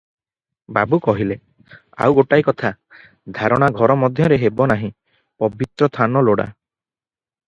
ବାବୁ କହିଲେ – ଆଉ ଗୋଟାଏ କଥା, ଧାରଣା ଘର ମଧ୍ୟରେ ହେବ ନାହିଁ, ପବିତ୍ର ଥାନ ଲୋଡ଼ା ।